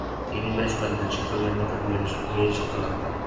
তিনি বেশ কয়েকজন শিক্ষকের নিকট গৃহেই শিক্ষা লাভ করেন।